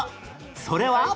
それは